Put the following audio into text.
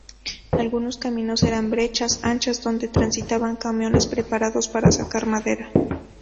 Algunos caminos eran brechas anchas donde transitaban camiones preparados para sacar madera.